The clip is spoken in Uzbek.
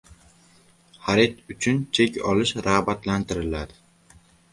Xarid uchun chek olish rag‘batlantiriladi